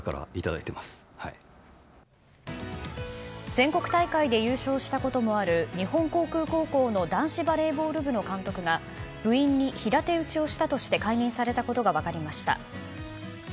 全国大会で優勝したこともある日本航空高校の男子バレーボール部の監督が部員に平手打ちをしたとして解任されたことが分かりました。